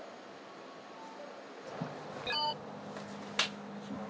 お願いします。